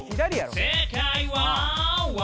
「正解は」